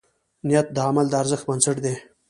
نیت د عمل د ارزښت بنسټ دی.